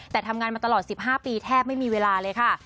แต่ทำงานมาตลอด๑๕ปีแทบไม่มีเวลาเลยค่ะ